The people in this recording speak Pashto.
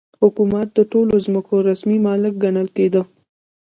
حکومت د ټولو ځمکو رسمي مالک ګڼل کېده.